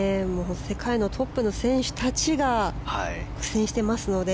世界のトップの選手たちが苦戦してますので。